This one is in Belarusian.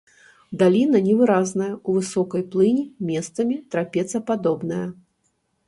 Даліна невыразная, у высокай плыні месцамі трапецападобная.